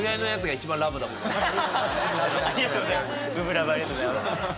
ありがとうございます。